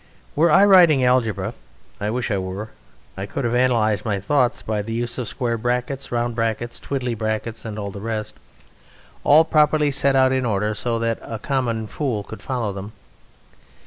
Were I writing algebra (I wish I were) I could have analysed my thoughts by the use of square brackets, round brackets, twiddly brackets, and the rest, all properly set out in order so that a Common Fool could follow them.